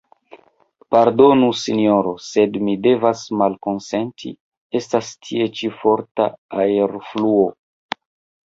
Pardonu, Sinjoro, sed mi devas malkonsenti, estas tie ĉi forta aerfluo.